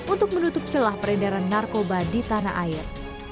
untuk menutup celah peredaran narkoba di tanah air